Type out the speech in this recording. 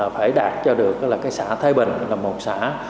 phải đạt cho được là cái xã thái bình là một xã